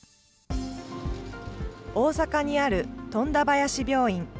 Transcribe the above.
大阪にある富田林病院。